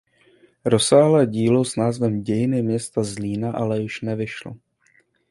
Rozsáhlé dílo s názvem "Dějiny města Zlína" ale již nevyšlo.